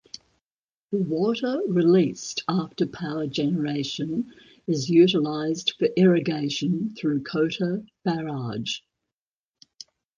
The water released after power generation is utilised for irrigation through Kota Barrage.